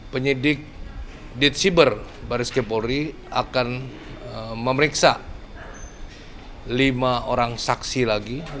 penyidik ditsiber baris kepolri akan memeriksa lima orang saksi lagi